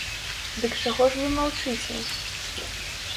Дык чаго ж вы маўчыце?